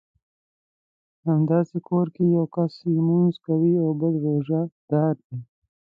همدې کور کې یو کس لمونځ کوي او بل روژه دار دی.